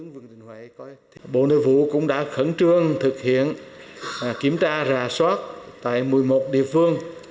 bộ nội vụ cũng đã khẩn trương thực hiện kiểm tra rà soát tại một mươi một địa phương